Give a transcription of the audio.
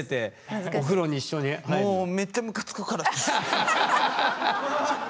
もうめっちゃムカつくから。